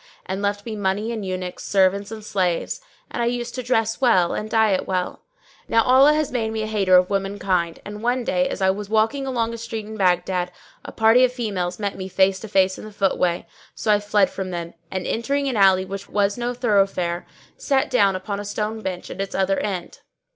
and left me money and eunuchs, servants and slaves; and I used to dress well and diet well. Now Allah had made me a hater of women kind and one day, as I was walking along a street in Baghdad, a party of females met me face to face in the footway; so I fled from them and, entering an alley which was no thoroughfare, sat down upon a stone bench at its other end.